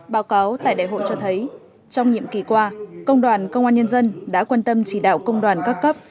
báo cáo tại đại hội cho thấy trong nhiệm kỳ qua công đoàn công an nhân dân đã quan tâm chỉ đạo công đoàn các cấp